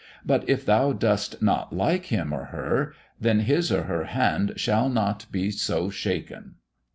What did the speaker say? But if thou dost not like him or her, then his or her hand shall not be so shaken."